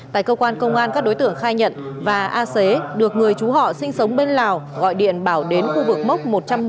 tại cơ quan công an các đối tượng khai nhận và a xế được người chú họ sinh sống bên lào gọi điện bảo đến khu vực mốc một trăm một mươi